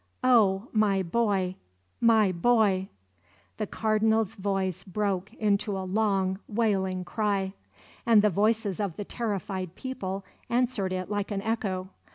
Oh, my boy, my boy!" The Cardinal's voice broke in a long, wailing cry; and the voices of the terrified people answered it like an echo.